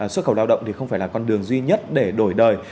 xuất khẩu lao động thì không phải là con đường duy nhất để đổi đời